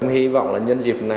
hy vọng là nhân dịp